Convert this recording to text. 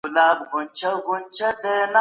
دا پروګرام تر هغه بل ډېر ګټور ښکاري.